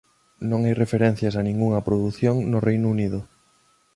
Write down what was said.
Non hai referencias a ningunha produción no Reino Unido.